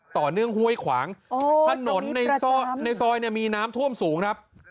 ต่อเนื่องห้วยขวางถนนในซอยเนี่ยมีน้ำท่วมสูงครับ